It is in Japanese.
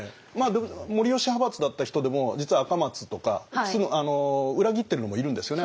護良派閥だった人でも実は赤松とか裏切ってるのもいるんですよね。